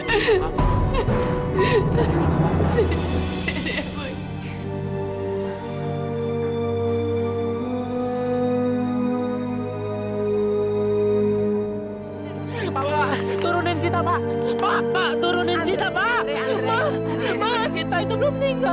pak turunin pak